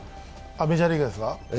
メジャーリーグですか？